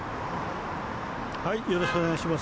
よろしくお願いします。